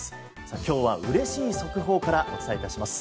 今日はうれしい速報からお伝えします。